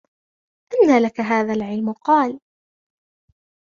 أَنَّى لَك هَذَا الْعِلْمُ ؟ قَالَ